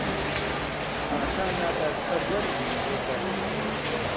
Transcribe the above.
پاشا ناداپەروەر بوو بۆ گەل.